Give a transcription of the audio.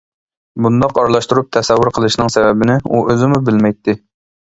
بۇنداق ئارىلاشتۇرۇپ تەسەۋۋۇر قىلىشنىڭ سەۋەبىنى، ئۇ ئۆزىمۇ بىلمەيتتى.